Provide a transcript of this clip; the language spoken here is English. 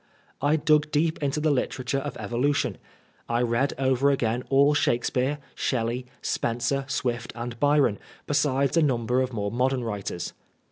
I dug deep into the literature of Evolution. I read over again all Shake speare, Shelley, Spenser, Swift and Byron, besides a number of more modem writers.